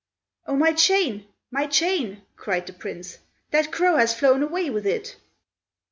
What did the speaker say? "Oh! my chain! my chain!" cried the Prince. "That crow has flown away with it!"